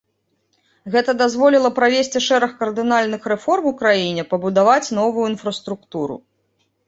Гэта дазволіла правесці шэраг кардынальных рэформ у краіне, пабудаваць новую інфраструктуру.